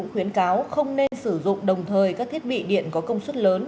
khuyến cáo không nên sử dụng đồng thời các thiết bị điện có công suất lớn